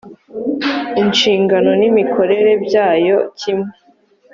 inshingano n imikorere byayo kimwe